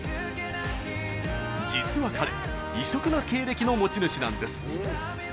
実は彼異色な経歴の持ち主なんです。